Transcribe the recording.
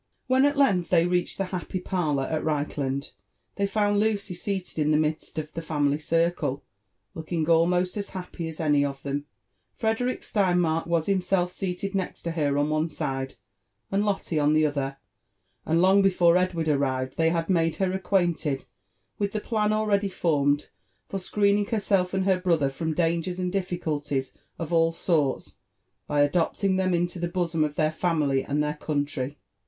When at length they reached the happy parlour at Reichland, they found Lucy seated in the midst of the family circle looking almost as happy as any of them. Frederick Steinmark was himself seated next her on one side, and Lotte on the other ; and long before Edward ar rived Uiey had made her acquainted with the plan already formed for screening herself and her brother from dangers and dilTiculties of all sorts, by adopting them into the bosom of their family and their country.